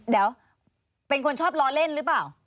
เดี๋ยวเป็นคนชอบล้อเล่นหรือเปล่า